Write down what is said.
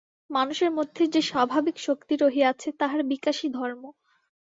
মানুষের মধ্যে যে স্বাভাবিক শক্তি রহিয়াছে, তাহার বিকাশই ধর্ম।